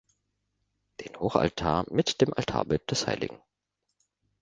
Den Hochaltar mit dem Altarbild des hl.